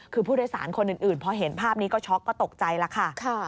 คือผู้โดยสารคนอื่นพอเห็นภาพนี้ก็ช็อกก็ตกใจแล้วค่ะ